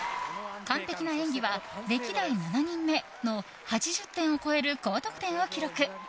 完璧な演技は歴代７人目の８０点を超える高得点を記録。